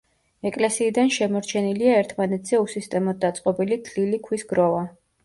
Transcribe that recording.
ეკლესიიდან შემორჩენილია ერთმანეთზე უსისტემოდ დაწყობილი თლილი ქვის გროვა.